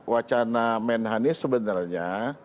wacana menhani sebenarnya